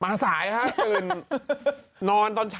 มังสายแค่ที่พี่บอกปน